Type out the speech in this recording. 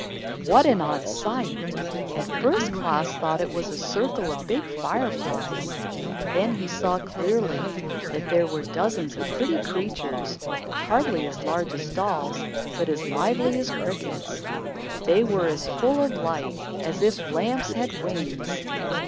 What an odd sight! At first Klaas thought it was a circle of big fire flies. Then he saw clearly that there were dozens of pretty creatures, hardly as large as dolls, but as lively as crickets. They were as full of light, as if lamps had wings.